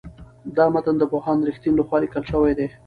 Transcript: دا متن د پوهاند رښتین لخوا لیکل شوی دی.